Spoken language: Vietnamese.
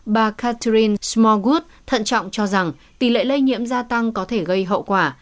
bà catherine smogud thận trọng cho rằng tỷ lệ lây nhiễm gia tăng có thể gây hậu quả